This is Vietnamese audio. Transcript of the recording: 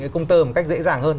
cái công tơ một cách dễ dàng hơn